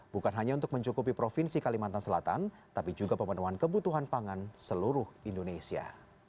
bukan hanya untuk mencukupi provinsi kalimantan selatan tapi juga pemenuhan kebutuhan pangan seluruh indonesia